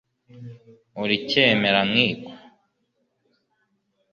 uriicyemera-nkiko